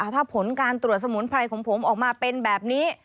ถ้าผลการตรวจสมุนไพรของผมออกมาเป็นแบบนี้